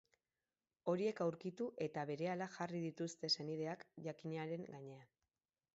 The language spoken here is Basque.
Horiek aurkitu eta berehala jarri dituzte senideak jakinaren gainean.